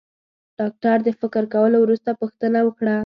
ډاکټر د فکر کولو وروسته پوښتنه وکړه.